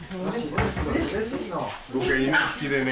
僕は犬好きでね。